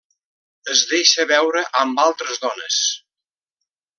Es deixa veure amb altres dones.